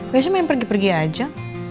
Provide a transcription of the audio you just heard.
biasanya main pergi pergi aja